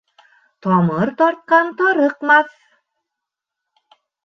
Тамыр тартҡан тарыҡмаҫ.